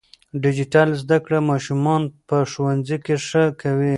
ډیجیټل زده کړه ماشومان په ښوونځي کې ښه کوي.